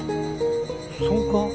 そうか？